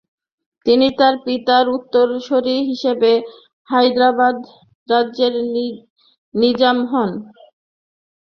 তিনি তার পিতার উত্তরসুরি হিসেবে হায়দ্রাবাদ রাজ্যের নিজাম হন।